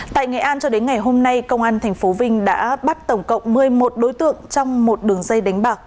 tại nghệ an cho đến ngày hôm nay công an tp vinh đã bắt tổng cộng một mươi một đối tượng trong một đường dây đánh bạc